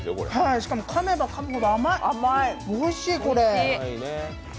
しかもかめばかむほど甘いおいしい、これ。